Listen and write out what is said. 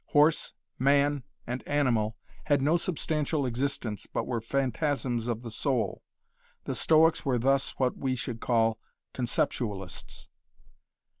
Horse, man, and animal had no substantial existence but were phantasms of the soul. The Stoics were thus what we should call Conceptualists.